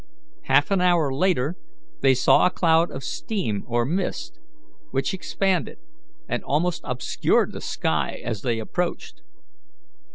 Half an hour later they saw a cloud of steam or mist, which expanded, and almost obscured the sky as they approached.